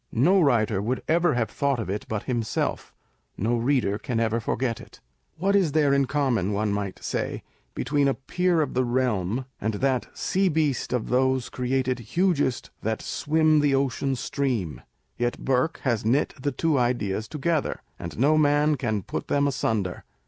No writer would ever have thought of it but himself; no reader can ever forget it. What is there in common, ono On the Prose Style of Poets. 13 might say, between a Peer of the Realm, and " that sea beast/' of those Created hugest that swim the ocean stream ? Yet Burke has knit the two ideas together, and no man can put them asunder.